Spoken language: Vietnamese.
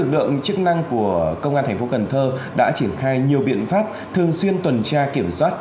đã triển khai nhiều biện pháp thường xuyên tuần tra kiểm soát